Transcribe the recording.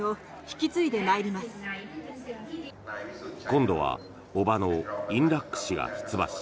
今度は叔母のインラック氏が出馬し